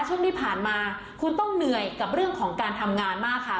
ช่วงที่ผ่านมาคุณต้องเหนื่อยกับเรื่องของการทำงานมากค่ะ